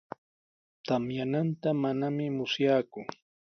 Tamyananta manami musyaaku.